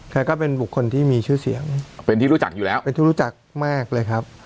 ก็เป็นบุคคลที่มีชื่อเสียงเป็นที่รู้จักอยู่แล้วเป็นที่รู้จักมากเลยครับ